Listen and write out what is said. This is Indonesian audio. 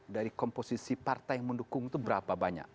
dari komposisi partai yang mendukung itu berapa banyak